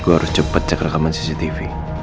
gua harus cepet cek rekaman cctv